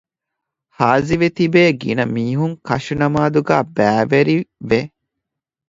ހާޒިވެތިބޭ ގިނަ މީހުން ކަށުނަމާދުގައި ބައިވެރި ވެ